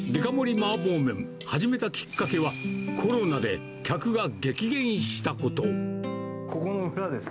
麻婆麺、始めたきっかけは、コロナで客が激減しここの裏です。